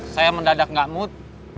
saya mendadak gak mood